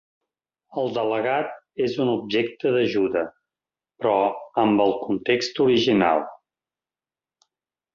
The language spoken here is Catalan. El delegat és un objecte d'ajuda, però "amb el context original".